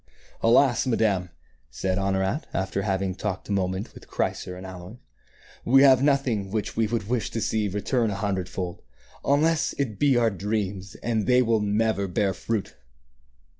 "Alas, madame," said Honorat, after having talked a mo ment with Chrysor and Aloys, "we have nothing which we would wish to see return a hundred fold, unless it be our dreams ; and they will never bear fruit."